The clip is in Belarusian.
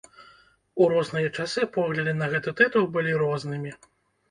У розныя часы погляды на гэты тытул былі рознымі.